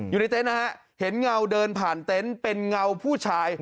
เต็นต์นะฮะเห็นเงาเดินผ่านเต็นต์เป็นเงาผู้ชาย